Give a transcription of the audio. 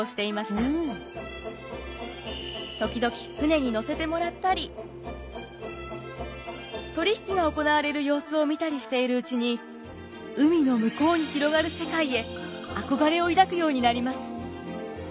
時々船に乗せてもらったり取り引きが行われる様子を見たりしているうちに海の向こうに広がる世界へ憧れを抱くようになります。